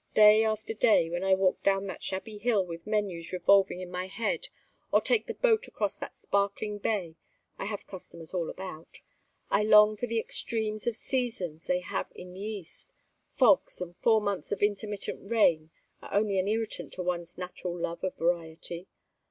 Day after day, when I walk down that shabby hill with menus revolving in my head, or take the boat across that sparkling bay I have customers all about I long for the extremes of seasons they have in the East fogs and four months of intermittent rain are only an irritant to one's natural love of variety.